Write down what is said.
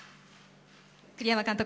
栗山監督